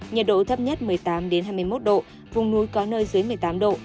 nhiệt độ thấp nhất một mươi tám hai mươi một độ vùng núi có nơi dưới một mươi tám độ